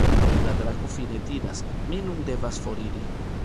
La drako fine diras: "Mi nun devas foriri".